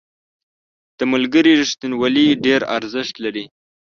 • د ملګري رښتینولي ډېر ارزښت لري.